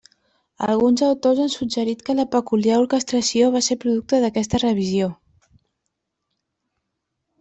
Alguns autors han suggerit que la peculiar orquestració va ser producte d'aquesta revisió.